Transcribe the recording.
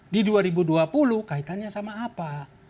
di dua ribu dua puluh kaitannya sama apa